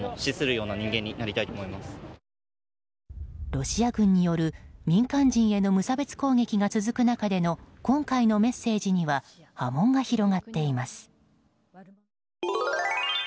ロシア軍による民間人への無差別攻撃が続く中での今回のメッセージには波紋が広がっています。